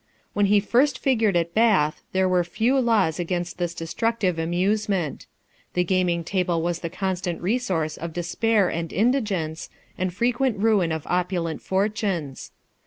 When he first figured at Bath, there were few laws against this destructive amusement. The gaming table was the constant resource of despair and indigence, and frequent ruin of opulent fortunes.